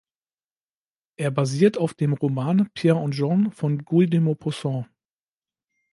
Er basiert auf dem Roman "Pierre und Jean" von Guy de Maupassant.